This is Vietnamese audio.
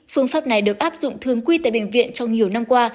phương pháp này được áp dụng thường quy tại bệnh viện trong nhiều năm qua